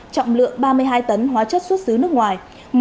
trọng lượng ba mươi hai tấn hóa chất xuất xứ nước ngoài